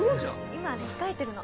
今控えてるの。